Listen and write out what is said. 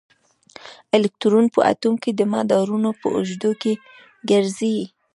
الکترون په اټوم کې د مدارونو په اوږدو کې ګرځي.